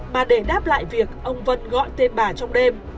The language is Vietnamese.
mà để đáp lại việc ông vân gọi tên bà trong đêm